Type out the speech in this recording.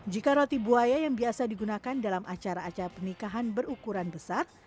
jika roti buaya yang biasa digunakan dalam acara acara pernikahan berukuran besar